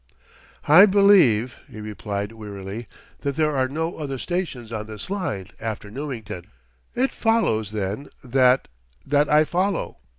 "I believe," he replied wearily, "that there are no other stations on this line, after Newington." "It follows, then, that that I follow."